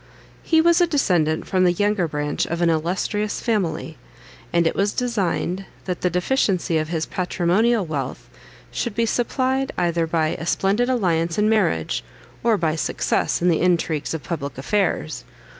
He was a descendant from the younger branch of an illustrious family, and it was designed, that the deficiency of his patrimonial wealth should be supplied either by a splendid alliance in marriage, or by success in the intrigues of public affairs.